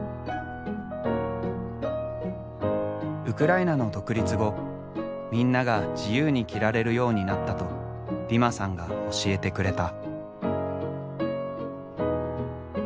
ウクライナの独立後みんなが自由に着られるようになったとディマさんが教えてくれた。